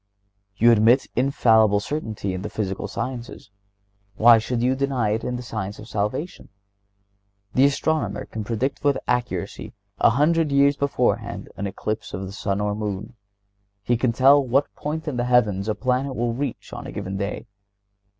You admit infallible certainty in the physical sciences; why should you deny it in the science of salvation? The astronomer can predict with accuracy a hundred years beforehand an eclipse of the sun or moon. He can tell what point in the heavens a planet will reach on a given day.